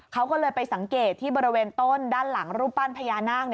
เขาก็เลยไปสังเกตที่บริเวณต้นด้านหลังรูปปั้นพญานาค